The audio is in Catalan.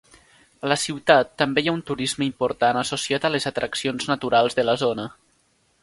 A la ciutat també hi ha un turisme important associat a les atraccions naturals de la zona.